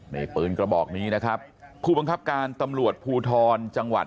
ในปืนกระบอกนี้เปิดหลักษณะครับผู้ปังคับการตำรวจภูทร